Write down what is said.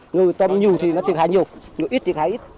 người tôm nhiều thì nó thiệt hại nhiều người ít thì thiệt hại ít